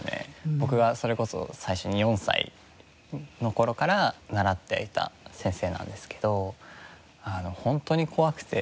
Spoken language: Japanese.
僕がそれこそ最初に４歳の頃から習っていた先生なんですけどホントに怖くて。